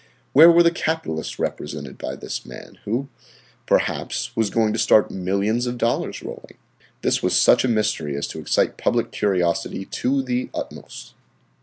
Where were the capitalists represented by this man, who, perhaps, was going to start millions of dollars rolling? This was such a mystery as to excite public curiosity to the utmost.